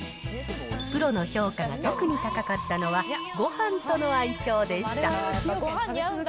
プロの評価が特に高かったのは、ごはんとの相性でした。